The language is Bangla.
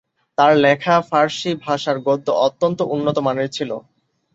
তার লেখা ফারসি ভাষার গদ্য অত্যন্ত উন্নত মানের ছিল।